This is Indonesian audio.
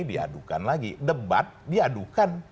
diadukan lagi debat diadukan